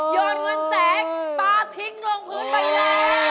โยนเงินแสนปลาทิ้งลงพื้นไปเลย